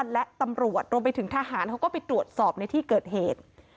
และตำรวจรวมไปถึงทหารเขาก็ไปตรวจสอบในที่เกิดเหตุ